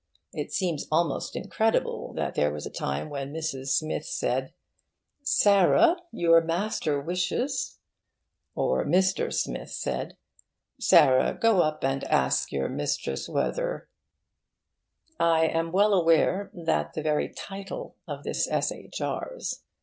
It seems almost incredible that there was a time when Mrs. Smith said 'Sarah, your master wishes ' or Mr. Smith said 'Sarah, go up and ask your mistress whether ' I am well aware that the very title of this essay jars.